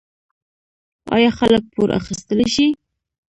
آیا خلک پور اخیستلی شي؟